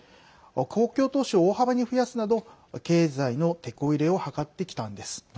公共投資を大幅に増やすなど経済のてこ入れを図ってきたんです。